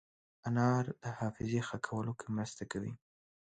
انار د حافظې ښه کولو کې مرسته کوي.